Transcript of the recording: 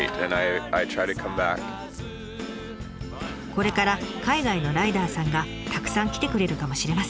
これから海外のライダーさんがたくさん来てくれるかもしれません。